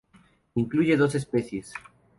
Incluye dos especies.